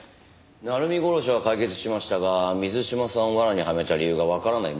鳴海殺しは解決しましたが水島さんを罠にはめた理由がわからないままなんですよね。